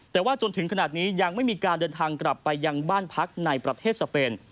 แต่ว่าจนถึงขนาดนี้ยังไม่มีการเดินทางกลับไปยังบ้านพักในประเทศสเปน